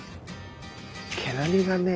毛並みがね